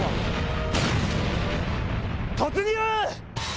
突入！